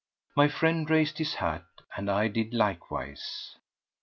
My friend raised his hat, and I did likewise.